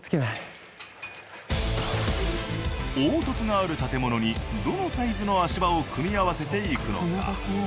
凹凸がある建物にどのサイズの足場を組み合わせていくのか。